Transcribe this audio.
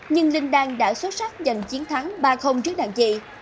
nhưng linh đăng đã xuất sắc giành chiến thắng ba trước đàn chị